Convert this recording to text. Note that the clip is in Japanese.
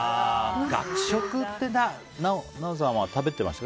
学食って奈緒さんは食べてました？